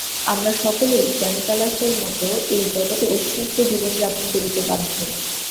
আমরা সকলেই ট্যাণ্টালাসের মত এই জগতে অভিশপ্ত জীবন যাপন করিতে বাধ্য।